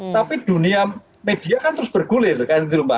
tapi dunia media kan terus bergulir kan